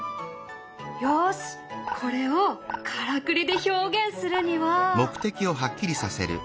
よしこれをからくりで表現するには。